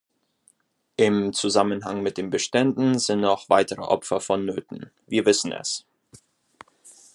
Im Zusammenhang mit den Beständen sind noch weitere Opfer vonnöten, wir wissen es.